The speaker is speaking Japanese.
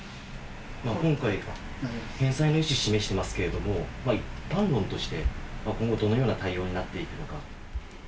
今回、返済の意思示してますけれども、一般論として、今後どのような対応になっていくのか。